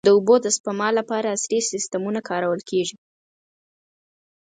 د اوبو د سپما لپاره عصري سیستمونه کارول کېږي.